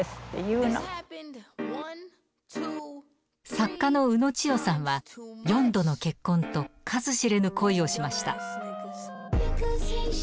作家の宇野千代さんは４度の結婚と数知れぬ恋をしました。